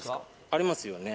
ありますよね。